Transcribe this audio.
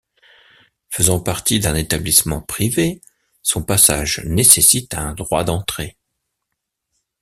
Faisant partie d'un établissement privé, son passage nécessite un droit d'entrée.